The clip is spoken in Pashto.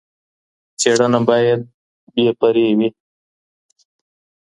څیړنه باید بې پرې وي.